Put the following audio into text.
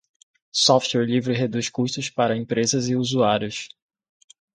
Software livre reduz custos para empresas e usuários.